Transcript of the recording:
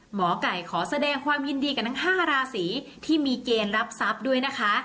หมอไก่ขอแสดงความยินดีกับทั้ง๕ราศีที่มีเกณฑ์รับทรัพย์ด้วยนะคะ